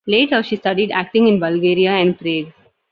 Later, she studied acting in Bulgaria and Prague.